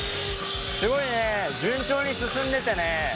すごいね順調に進んでてね